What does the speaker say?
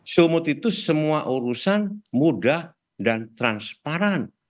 sumut itu semua urusan mudah dan transparan